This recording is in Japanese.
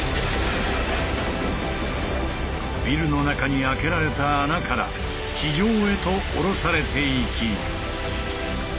ビルの中に開けられた穴から地上へと下ろされていき。